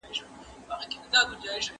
¬ پر ړانده شپه او ورځ يوه ده.